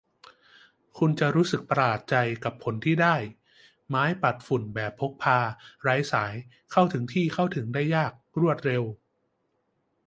คุณจะรู้สึกประหลาดใจกับผลที่ได้ ไม้ปัดฝุ่นแบบพกพา ไร้สาย เข้าถึงที่เข้าถึงได้ยาก รวดเร็ว